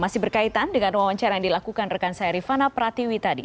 masih berkaitan dengan wawancara yang dilakukan rekan saya rifana pratiwi tadi